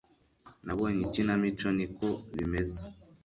Nabonye ikinamico ni ko bimeze